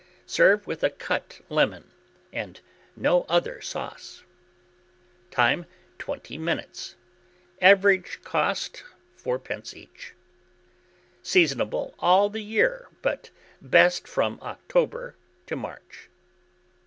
Serve with a cut lemon, and no other sauce. Time. 20 minutes. Average cost, 4d. each. Seasonable all the year, but best from October to March.